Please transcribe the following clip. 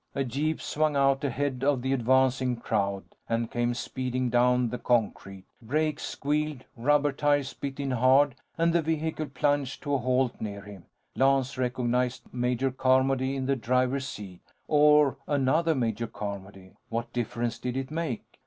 A jeep swung out ahead of the advancing crowd and came speeding down the concrete. Brakes squealed; rubber tires bit in hard, and the vehicle plunged to a halt near him. Lance recognized Major Carmody in the driver's seat. Or another Major Carmody. What difference did it make?